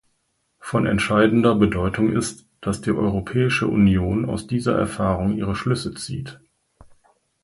Von entscheidender Bedeutung ist, dass die Europäische Union aus dieser Erfahrung ihre Schlüsse zieht.